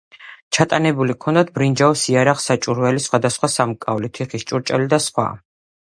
ჩატანებული ჰქონდათ ბრინჯაოს იარაღ-საჭურველი, სხვადასხვა სამკაული, თიხის ჭურჭელი და სხვა.